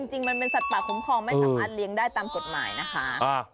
จริงมันเป็นสัตว์ป่าคุ้มครองไม่สามารถเลี้ยงได้ตามกฎหมายนะคะ